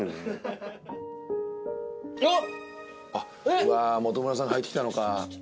うわあ本村さん入ってきたのか。